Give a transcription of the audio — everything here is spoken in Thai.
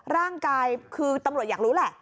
ร่างกายคือตำรวจอยากรู้แหละ